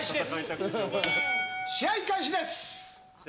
試合開始です！